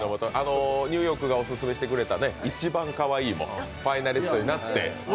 ニューヨークがオススメしてくれたいちばんかわいいもファイナリストになって。